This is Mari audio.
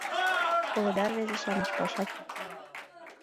— Колыда, рвезе-шамыч, паша кӱчымӧ.